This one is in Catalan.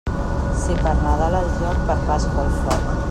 Si per Nadal al joc, per Pasqua al foc.